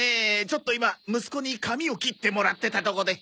ちょっと今息子に髪を切ってもらってたとこで。